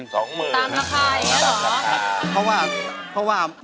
ร้องได้ให้ร้อง